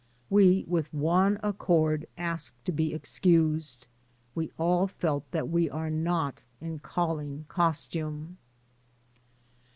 We, w^ith one accord, asked to be excused. We all felt that we are not in calling costume.